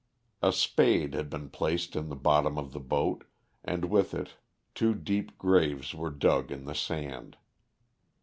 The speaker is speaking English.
A spade had been placed in the bottom of the boat, and with it two deep graves were dug in the sand.